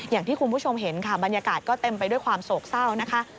อย่างที่คุณผู้ชมเห็นค่ะบรรยากาศก็เต็มไปด้วยความโศกเศร้านะคะ